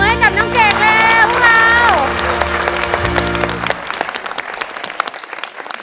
โอเคทุกคน